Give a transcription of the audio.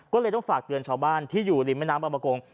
ก็เลยต้องฝากเตือนชาวบ้านที่อยู่ริมแม่น้ำอบกง